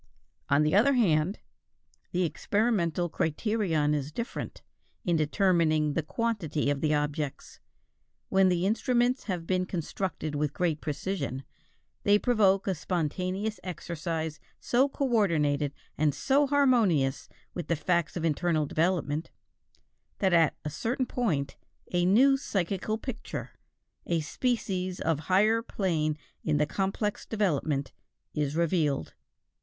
On the other hand, the experimental criterion is different, in determining the quantity of the objects. When the instruments have been constructed with great precision, they provoke a spontaneous exercise so coordinated and so harmonious with the facts of internal development, that at a certain point a new psychical picture, a species of higher plane in the complex development, is revealed.